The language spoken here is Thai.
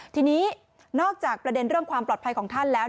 ทีนี้นอกจากประเด็นเรื่องความปลอดภัยของท่านแล้ว